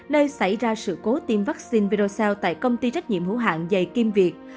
nơi xảy ra sự cố tiêm vắc xin verocell tại công ty trách nhiệm hữu hạng dày kim việt